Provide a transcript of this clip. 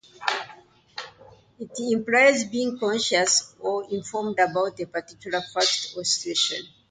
It implies being conscious or informed about a particular fact or situation.